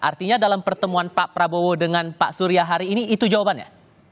artinya dalam pertemuan pak prabowo dengan pak surya hari ini itu jawabannya